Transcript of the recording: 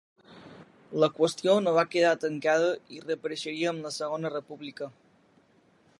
La qüestió no va quedar tancada i reapareixia amb la segona República.